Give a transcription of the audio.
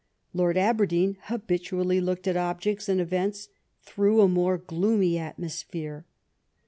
Lord Aberdeen habitually looked at objects and events through a more gloomy atmosphere.